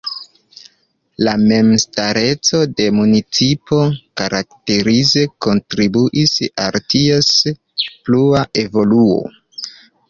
La memstareco de municipo karakterize kontribuis al ties plua evoluo.